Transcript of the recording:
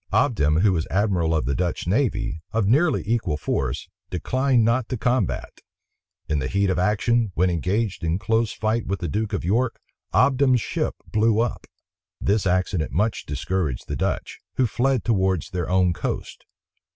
Obdam, who was admiral of the Dutch navy, of nearly equal force, declined not the combat. In the heat of action, when engaged in close fight with the duke of York, Obdam's ship blew up. This accident much discouraged the Dutch, who fled towards their own coast.